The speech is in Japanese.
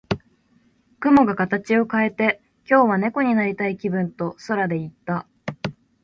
雲が形を変えて、「今日は猫になりたい気分」と空で言った。